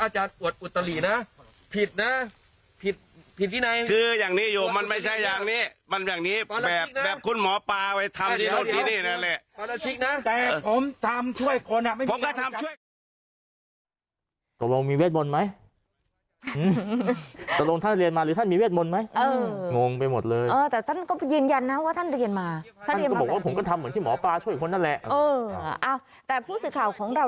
ช่วยคนนั่นแหละเอออ่าแต่ผู้สื่อข่าวของเรา